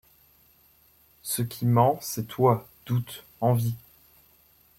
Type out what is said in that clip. Ce qui ment, c’est toi, doute ! envie !